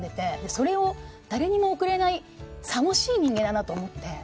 それを誰にも贈れないさもしい人間だなと思って。